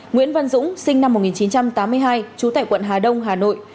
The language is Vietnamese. nguyễn văn dũng sinh năm một nghìn chín trăm tám mươi hai trú tại quận hà đông hà nội